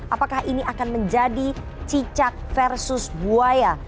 apakah ini akan menjadi cicak versus buaya